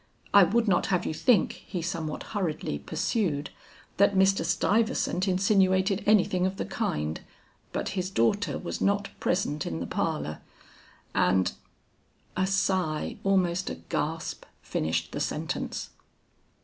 I would not have you think," he somewhat hurriedly pursued, "that Mr. Stuyvesant insinuated anything of the kind, but his daughter was not present in the parlor, and " A sigh, almost a gasp finished the sentence.